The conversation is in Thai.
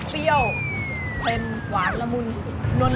เปรี้ยวเต็มหวานละมุนน